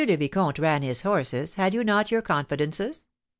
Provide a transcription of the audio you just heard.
le Vicomte ran his horses, had you not your confidences?